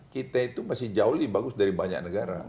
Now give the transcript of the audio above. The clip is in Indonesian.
kita itu masih jauh lebih bagus dari banyak negara